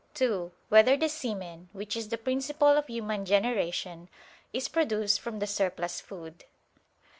(2) Whether the semen, which is the principle of human generation, is produced from the surplus food?